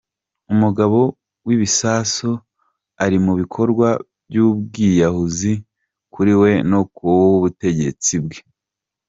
“Umugabo w’ibisasu ari mu bikorwa by’ubwiyahuzi kuri we no ku butegetsi bwe.